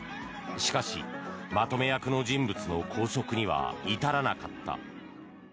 しかし、まとめ役の人物の拘束には至らなかった。